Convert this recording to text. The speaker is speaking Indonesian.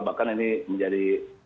bahkan ini menjadi